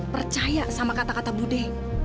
percaya sama kata kata bude